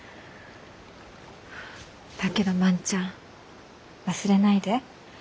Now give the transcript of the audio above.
だけど万ちゃん忘れないで。